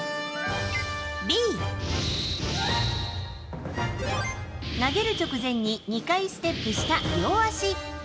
Ｂ、投げる直前に２回ステップした両足。